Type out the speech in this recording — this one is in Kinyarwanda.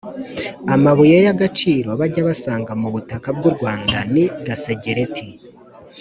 amabuye y'agaciro bajya basanga mu butaka bw'u rwanda ni gasegereti